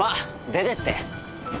出てって。